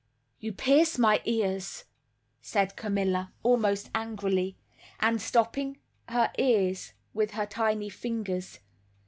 "You pierce my ears," said Carmilla, almost angrily, and stopping her ears with her tiny fingers.